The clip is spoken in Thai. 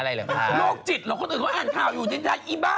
อะไรเหรอคะโลกจิตเหรอคนอื่นอ่านข่าวอยู่นินทาอีบ้า